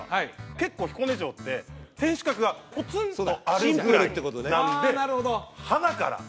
結構彦根城って天守閣がポツンとシンプルってことねなのではなから